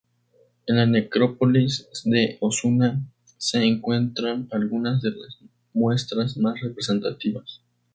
En la necrópolis de Osuna se encuentran algunas de las muestras más representativas.